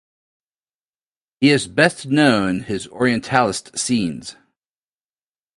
He is best known his Orientalist scenes.